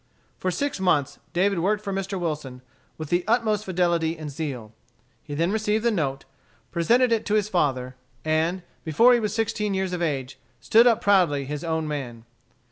For six months, David worked for Mr. Wilson with the utmost fidelity and zeal. He then received the note, presented it to his father, and, before he was sixteen years of age, stood up proudly his own man.